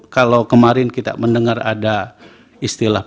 kalau kemarin kita mendengar ada istilah